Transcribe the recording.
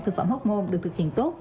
thực phẩm hốc môn được thực hiện tốt